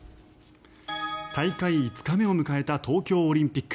大会５日目を迎えた東京オリンピック。